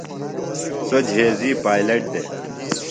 سوۡ جھیزی پائلٹ دے۔